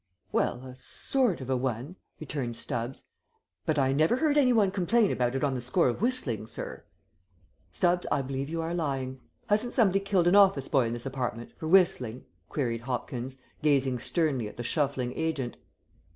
"Well, a sort of a one," returned Stubbs; "but I never heard any one complain about it on the score of whistling, sir." "Stubbs, I believe you are lying. Hasn't somebody killed an office boy in this apartment, for whistling?" queried Hopkins, gazing sternly at the shuffling agent.